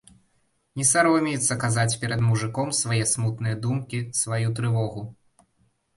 Не саромеецца казаць перад мужыком свае смутныя думкі, сваю трывогу.